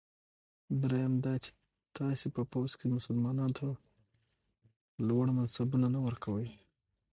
دریم دا چې تاسي په پوځ کې مسلمانانو ته لوړ منصبونه نه ورکوی.